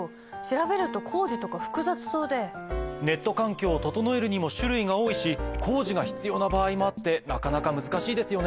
ネット環境を整えるにも種類が多いし工事が必要な場合もあってなかなか難しいですよね。